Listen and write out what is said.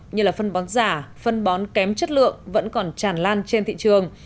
như là phân bón giả phân bón kém chất lượng vẫn còn chản lan trên thị trường